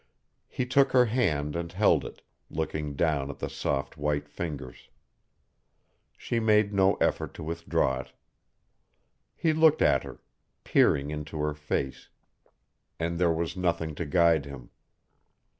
He took her hand and held it, looking down at the soft white fingers. She made no effort to withdraw it. He looked at her, peering into her face, and there was nothing to guide him.